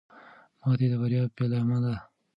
ماتې د بریا پیلامه ده.